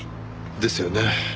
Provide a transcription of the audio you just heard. ですよね。